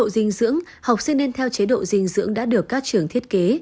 chế độ dinh dưỡng học sinh nên theo chế độ dinh dưỡng đã được các trường thiết kế